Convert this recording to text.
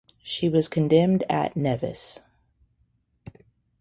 She was condemned at Nevis.